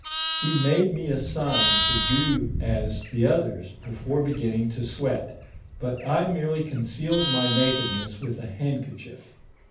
He made me a sign to do as the others before beginning to sweat, but I merely concealed my nakedness with a handkerchief.